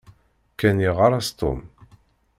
Ken yeɣɣar-as Tom.